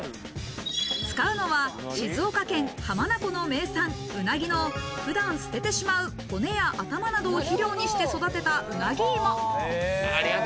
使うのは、静岡県浜名湖の名産うなぎの普段捨ててしまう骨や頭などを肥料にして育てた、うなぎいも。